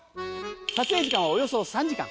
撮影時間はおよそ３時間。